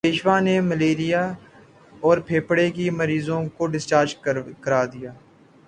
پیشوا نے ملیریا اور پھیپھڑے کے مریضوں کو ڈسچارج کرا دیا